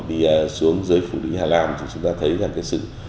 đi xuống dưới phủ đi hà nam thì chúng ta thấy rằng cái sự